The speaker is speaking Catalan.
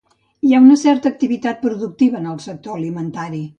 Hi ha certa activitat productiva en el sector alimentari.